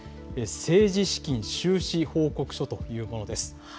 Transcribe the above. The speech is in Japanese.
政治資金収支報告書というものです。